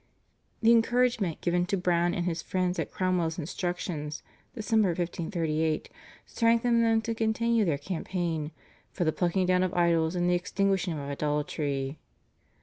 The encouragement given to Browne and his friends by Cromwell's instructions (Dec. 1538) strengthened them to continue their campaign "for the plucking down of idols and the extinguishing of idolatry."